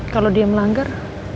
kalau dia melanggar